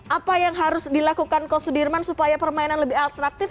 apa yang harus dilakukan kos sudirman supaya permainan lebih atraktif